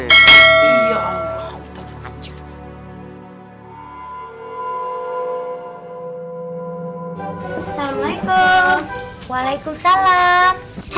ya allah putar aja